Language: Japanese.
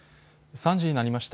３時になりました。